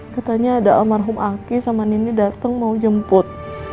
katanya ada almarhum aki sama nini datang mau jemput